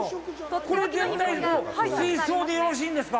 これ全体が水槽でよろしいんですか？